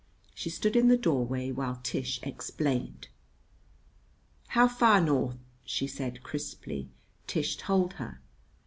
She stood in the doorway while Tish explained. "How far north?" she said crisply. Tish told her.